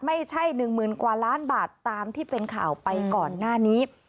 ไม่ใช่๑๐๐๐กว่าล้านบาทตามที่เป็นข่าวไปก่อนหน้านี้